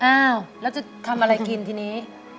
อ้าวแล้วจะทำอะไรกินทีนี้